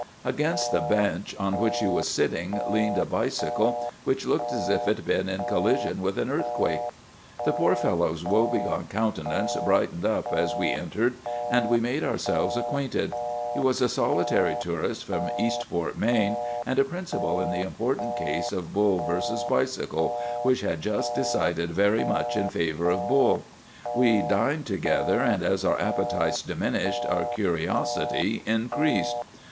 "Against the bench on which he was sitting leaned a bicycle which looked as if it had been in collision with an earthquake. "The poor fellow's woe begone countenance brightened up as we entered, and we made ourselves acquainted. He was a solitary tourist from Eastport, Me., and a principal in the important case of Bull versus Bicycle, which had just been decided very much in favor of Bull. We dined together, and as our appetites diminished our curiosity increased.